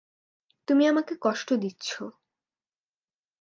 তুমি আমাকে কষ্ট দিচ্ছ!